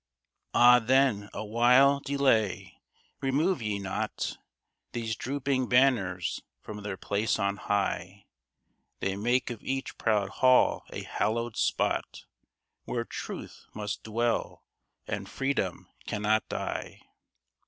Ah, then, awhile delay ! Remove ye not These drooping banners from their place on high ; They make of each proud hall a hallowed spot, Where Truth must dwell and Freedom cannot die.